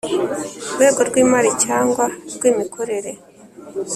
rwego rw imari cyangwa rw imikorere